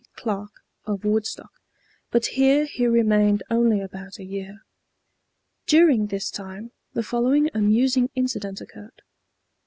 Clark, of Woodstock; but here he remained only about a year. During this time the following amusing incident occurred.